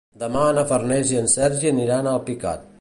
Demà na Farners i en Sergi aniran a Alpicat.